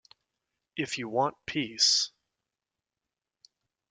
If You Want Peace...